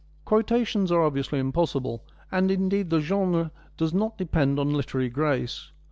Quotations are obviously impos sible, and indeed the genre does not depend on liter ary grace.